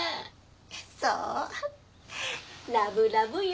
そうラブラブよ。